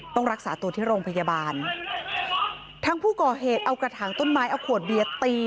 ต้องรักษาตัวที่โรงพยาบาลทางผู้ก่อเหตุเอากระถางต้นไม้เอาขวดเบียร์ตี